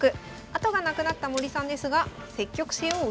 後がなくなった森さんですが積極性を失いません。